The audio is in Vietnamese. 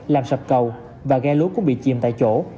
làm sập cầu và ghe lúa cũng bị chìm tại chỗ